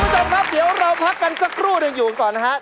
คุณผู้ชมครับเดี๋ยวเราพักกันสักครู่หนึ่งอยู่ก่อนนะฮะ